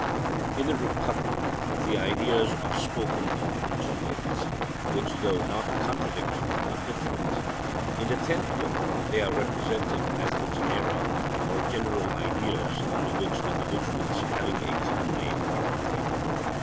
In the Republic the ideas are spoken of in two ways, which though not contradictory are different. In the tenth book they are represented as the genera or general ideas under which individuals having a common name are contained.